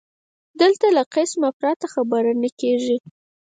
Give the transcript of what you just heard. دلته له قسمه پرته خبره نه کېږي